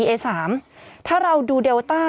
สิบเก้าชั่วโมงไปสิบเก้าชั่วโมงไป